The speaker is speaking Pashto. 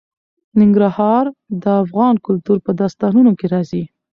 ننګرهار د افغان کلتور په داستانونو کې راځي.